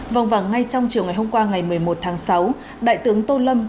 vòng vàng ngay trong chiều ngày hôm qua ngày một mươi một tháng sáu đại tướng tô lâm